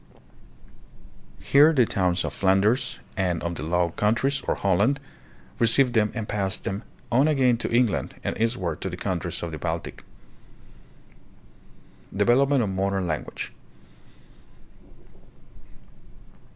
Here the towns of Flanders and of the Low Countries, or Holland, received them and passed them on again to England and eastward to the countries of the Baltic. Development of Modern Language.